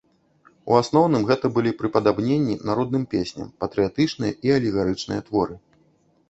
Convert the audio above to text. У асноўным гэта былі прыпадабненні народным песням, патрыятычныя і алегарычныя творы.